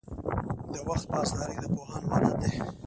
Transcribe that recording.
• د وخت پاسداري د پوهانو عادت دی.